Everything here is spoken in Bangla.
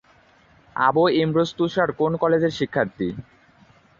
আবু ইমরোজ তুষার কোন কলেজের শিক্ষার্থী?